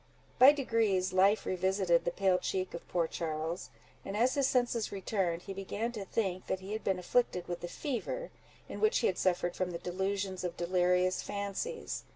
By degrees life revisited the pale cheek of poor Charles; and as his senses returned, he began to think that he had been afflicted with the fever, in which he had suffered from the delusions of delirious fancies.